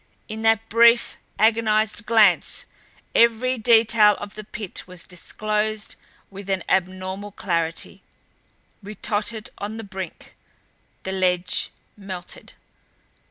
In that brief, agonized glance every detail of the Pit was disclosed with an abnormal clarity. We tottered on the brink. The ledge melted.